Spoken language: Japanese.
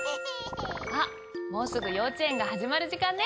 あっもうすぐ幼稚園が始まる時間ね。